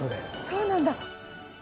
そうなんだ。